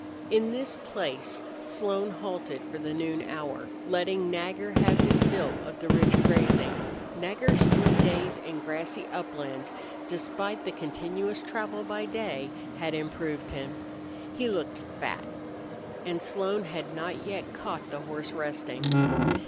In this place Slone halted for the noon hour, letting Nagger have his fill of the rich grazing. Nagger's three days in grassy upland, despite the continuous travel by day, had improved him. He looked fat, and Slone had not yet caught the horse resting.